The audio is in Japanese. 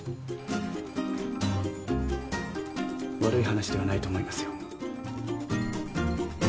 悪い話ではないと思いますよ。